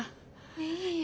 いえいえ。